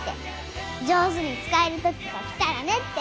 上手に使えるときが来たらねって。